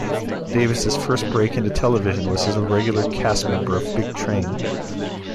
Davis's first break into television was as a regular cast member of "Big Train".